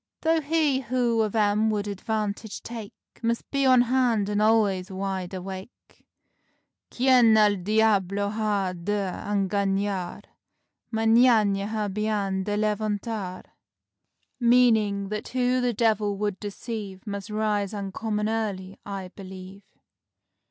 Though he who of 'em would advantage take, Must be on hand and al'ays wide awake: Quien el diablo ha de engañar Mañana ha bien de levantar." Meanin' that "who the devil would deceive, Must rise uncommon early," I believe.